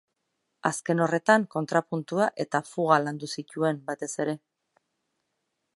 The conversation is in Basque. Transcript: Azken horretan kontrapuntua eta fuga landu zituen, batez ere.